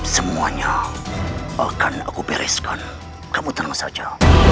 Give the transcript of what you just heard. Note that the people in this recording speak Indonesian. semuanya akan aku bereskan kamu tenang saja